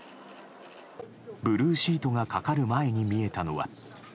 ブルーシートがかかる前に見えたのは。